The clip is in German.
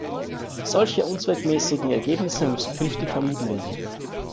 Solche unzweckmäßigen Ergebnisse müssen künftig vermieden werden!